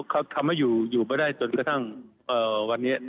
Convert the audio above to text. เขาทำให้อยู่ไม่ได้จนกระทั่งวันนี้